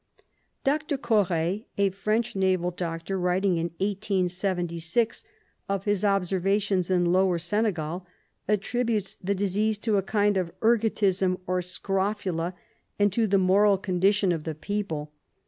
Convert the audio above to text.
Dr. Corre, a Trench naval doctor, writing in 1876 of his observations in Lower Senegal, attributes the disease to a kind of ergotism or scrofula and to the moral condition of the people.